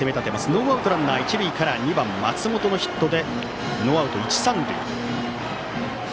ノーアウトランナー、一塁から２番、松本のヒットでノーアウト一、三塁。